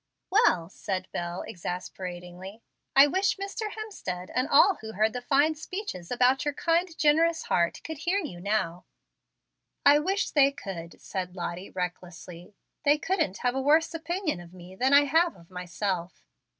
"Well," said Bel, exasperatingly, "I wish Mr. Hemstead and all who heard the fine speeches about your 'kind, generous heart' could hear you now." "I wish they could," said Lottie, recklessly. "They couldn't have a worse opinion of me than I have of myself."